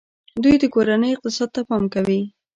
دوی د کورنۍ اقتصاد ته پام کوي.